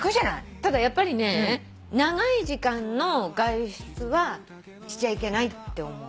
ただやっぱりね長い時間の外出はしちゃいけないって思う。